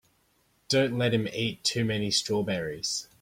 Don't let him eat too many strawberries.